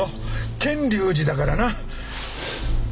賢隆寺だからな。